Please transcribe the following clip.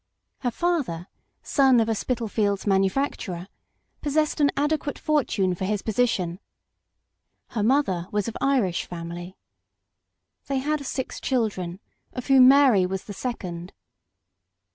Her father, son of a Spitalfields manufacturer, possessed an adequate fortune for his position; her mother was of Irish family. They had six children, of whom Mary was the second.